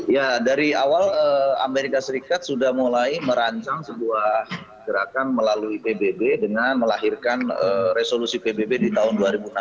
ya dari awal amerika serikat sudah mulai merancang sebuah gerakan melalui pbb dengan melahirkan resolusi pbb di tahun dua ribu enam belas